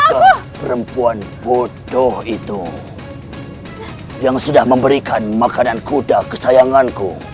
ada perempuan bodoh itu yang sudah memberikan makanan kuda kesayanganku